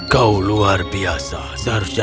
kau luar biasa seharusnya